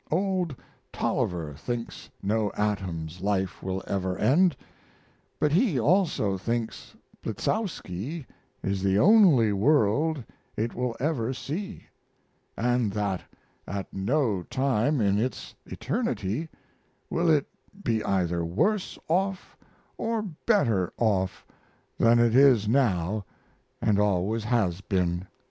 Old Tolliver thinks no atom's life will ever end, but he also thinks Blitzowski is the only world it will ever see, and that at no time in its eternity will it be either worse off or better off than it is now and always has been.